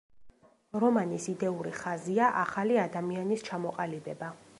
რომანის იდეური ხაზია, ახალი ადამიანის ჩამოყალიბება.